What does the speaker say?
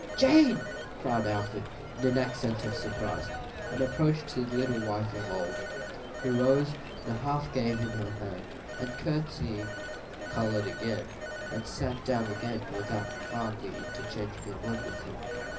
"Jane!" cried Alfred, in an accent of surprise; and approached his little wife of old, who rose and half gave him her hand, and courtseying, coloured again, and sat down again without hardly interchanging a word with him.